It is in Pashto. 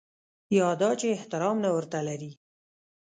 یا دا چې احترام نه ورته لري.